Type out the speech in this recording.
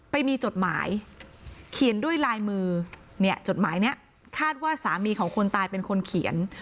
ไปมีจดหมายเขียนด้วยลายมือเนี่ยจดหมายนี้คาดว่าสามีของคนตายเป็นคนเขียน